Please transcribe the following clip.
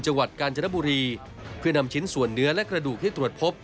จังหวัดกาญจนบุรีเพื่อนำชิ้นส่วนเนื้อและกระดูกที่ตรวจพบ